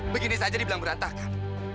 begini saja dibilang berantakan